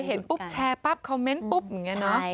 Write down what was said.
เห็นปุ๊บแชร์ปั๊บคอมเมนต์ปุ๊บเหมือนกันเนาะ